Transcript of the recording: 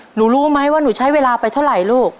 รู้ไหมว่าหนูใช้เวลาไปเท่าไหร่ลูก